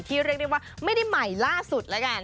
เรียกได้ว่าไม่ได้ใหม่ล่าสุดแล้วกัน